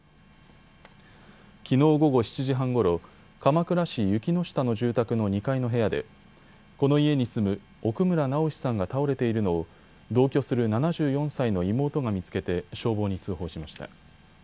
きのう午後７時半ごろ、鎌倉市雪ノ下の住宅の２階の部屋でこの家に住む奥村直司さんが倒れているのを同居する７４歳の妹が見つけて消防に通報しました。